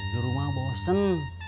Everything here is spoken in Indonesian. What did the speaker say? di rumah bosen